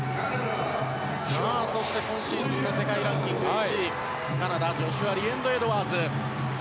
そして今シーズンの世界ランキング１位カナダ、ジョシュア・リエンド・エドワーズ。